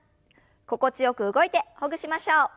心地よく動いてほぐしましょう。